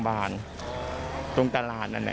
ฟังเสียงคนที่ไปรับของกันหน่อย